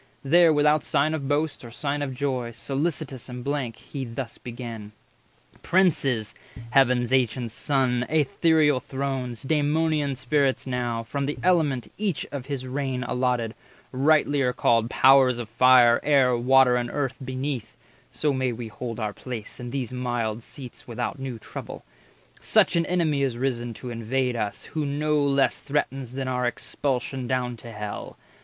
There, without sign of boast, or sign of joy, Solicitous and blank, he thus began:— 120 "Princes, Heaven's ancient Sons, AEthereal Thrones— Daemonian Spirits now, from the element Each of his reign allotted, rightlier called Powers of Fire, Air, Water, and Earth beneath (So may we hold our place and these mild seats Without new trouble!)—such an enemy Is risen to invade us, who no less Threatens than our expulsion down to Hell.